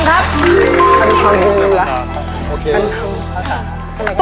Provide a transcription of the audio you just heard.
คันทุ